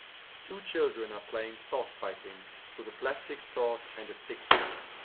Two children are playing sword fighting with a plastic sword and a stick.